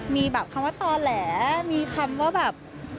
มีแบบคำว่าต่อแหลมีคำว่าแบบ